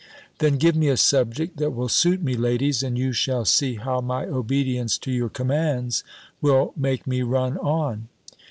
"Then give me a subject that will suit me, ladies, and you shall see how my obedience to your commands will make me run on."